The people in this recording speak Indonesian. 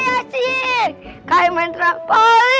kayak main trampolin